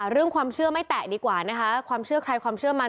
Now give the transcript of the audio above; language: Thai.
เรื่องความเชื่อไม่แตะดีกว่านะคะความเชื่อใครความเชื่อมัน